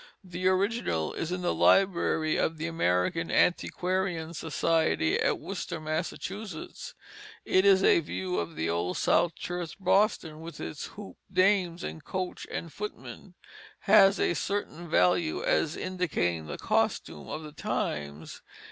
The original is in the library of the American Antiquarian Society at Worcester, Massachusetts. It is a view of the Old South Church, Boston; and with its hooped dames and coach and footman, has a certain value as indicating the costume of the times.